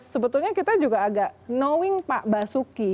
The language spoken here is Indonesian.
sebetulnya kita juga agak knowing pak basuki